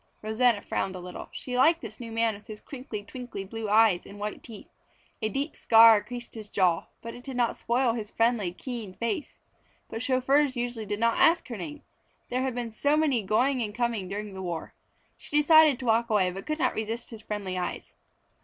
Rosanna frowned a little. She liked this new man with his crinkly, twinkly blue eyes and white teeth. A deep scar creased his jaw, but it did not spoil his friendly, keen face. But chauffeurs usually did not ask her name. There had been so many going and coming during the war. She decided to walk away but could not resist his friendly eyes.